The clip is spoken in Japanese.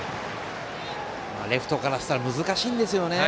レフトからしたら難しいんですよね。